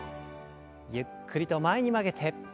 ゆっくりと前に曲げて。